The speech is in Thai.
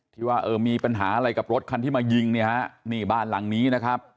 ว่าเออมีปัญหาอะไรกับรถคันที่มายิงเนี่ยฮะนี่บ้านหลังนี้นะครับ